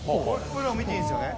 俺ら見ていいんですよね？